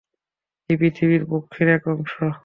এই পৃথিবী ব্রহ্মের এক অংশ।